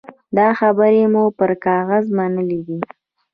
دا خبرې مو پر کاغذ منلي دي.